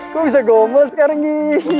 kok bisa gomel sekarang ghi